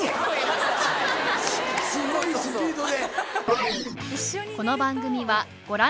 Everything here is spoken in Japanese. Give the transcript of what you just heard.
すごいスピードで。